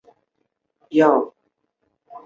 其个人倾向于支持本土立场。